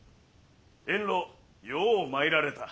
遠路よう参られた。